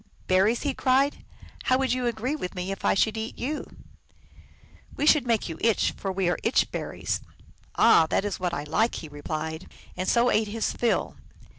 " Berries," he cried, " how would you agree with me if I should eat you ?"" We should make you itch, for we are Itch berries." " Ah, that is what I like," he replied, and so ate his fill.